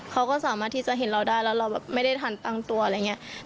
เขาก็สามารถที่จะเห็นเราได้แล้วเราแบบไม่ได้ทันตั้งตัวอะไรอย่างนี้